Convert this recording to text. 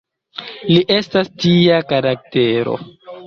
Li estas tia karaktero.